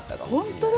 本当だ！